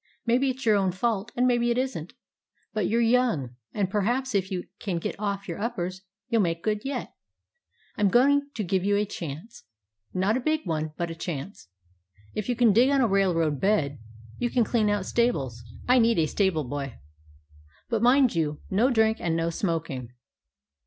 Maybe it 's your own fault, and maybe it is n't. But you 're young, and perhaps if you can get off your uppers you 'll make good yet. I 'm going to give you a chance; not a big one, but a chance. If you can dig on a railroad bed, you can clean out stables. I need a stable boy. But mind you, no drink, and no smoking.